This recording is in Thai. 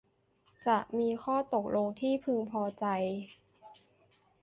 จะมีข้อตกลงที่พึงพอใจ